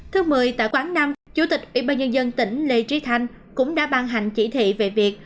thứ một mươi tại quán năm chủ tịch ủy ban nhân dân tỉnh lê trí thanh cũng đã ban hành chỉ thị về việc